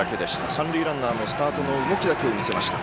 三塁ランナースタートの動きだけ見せました。